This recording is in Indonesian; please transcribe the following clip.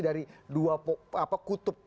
dari dua kutub